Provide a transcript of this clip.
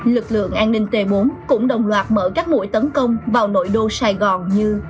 lực lượng an ninh t bốn cũng đồng loạt mở các mũi tấn công vào nội đô sài gòn như